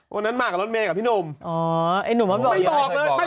มากับรถเมย์กับพี่หนุ่มอ๋อไอ้หนุ่มมันบอกไม่บอกเลย